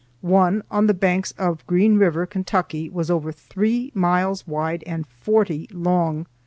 One on the banks of Green River, Kentucky, was over three miles wide and forty long."